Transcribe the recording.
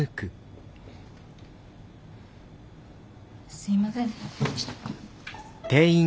すいません。